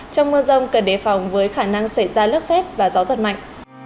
trong mưa rông cần đề phòng với khả năng xảy ra lốc xét và gió giật mạnh